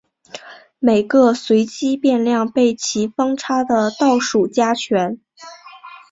每个随机变量被其方差的倒数加权。